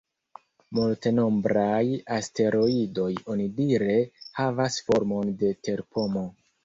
Multenombraj asteroidoj onidire havas formon de terpomo.